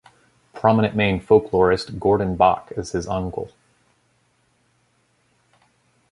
Prominent Maine folklorist Gordon Bok is his uncle.